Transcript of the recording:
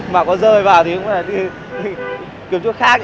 mà có rơi vào thì cũng phải kiếm chỗ khác